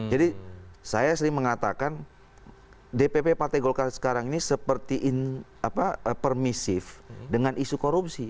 jadi saya sering mengatakan dpp partai golkar sekarang ini seperti permissive dengan isu korupsi